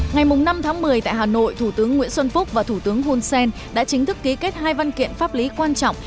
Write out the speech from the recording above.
ngày năm tháng một mươi tại hà nội thủ tướng nguyễn xuân phúc và thủ tướng hun sen đã chính thức ký kết hai văn kiện pháp lý quan trọng